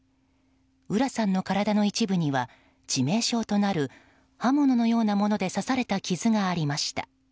浦さんの体の一部には致命傷となる刃物のようなもので刺された傷がありました。